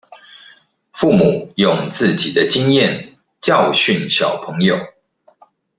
父母用自己的經驗教訓小朋友